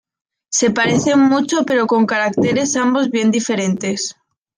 Se parecen mucho pero con caracteres ambos bien diferentes.